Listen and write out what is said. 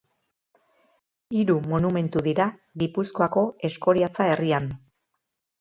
Hiru monumentu dira Gipuzkoako Eskoriatza herrian.